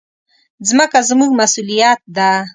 مځکه زموږ مسؤلیت ده.